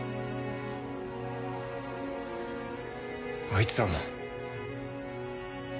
あいつらも。